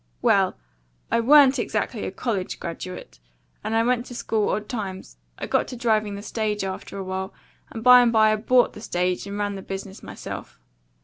Well, I WA'N'T exactly a college graduate, and I went to school odd times. I got to driving the stage after while, and by and by I BOUGHT the stage and run the business myself.